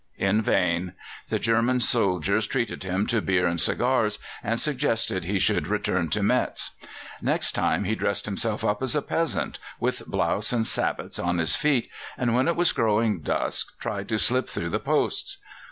In vain. The German soldiers treated him to beer and cigars, and suggested he should return to Metz. Next time he dressed himself up as a peasant, with blouse, and sabots on his feet, and when it was growing dusk tried to slip through the posts.